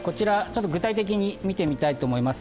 具体的に見てみたいと思います。